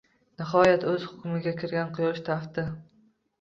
Nihoyat, o’z hukmiga kirgan quyosh tafti.